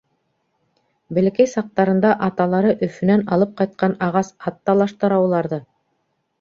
Бәләкәй саҡтарында аталары Өфөнән алып ҡайтҡан ағас ат талаштыра уларҙы.